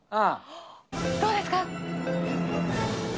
どうですか？